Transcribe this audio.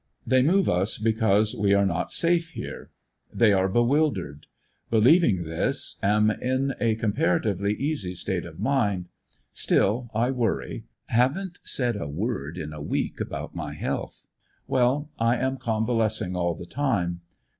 They move us because we are not safe here. They are bewildered. Believing this am in a 1 18 ANDEB80NVILLE JDIAR Y. comparatively easy state of mind. Still I worry. Haven't said a word in a week about my health. Well, I am convalescing all the time.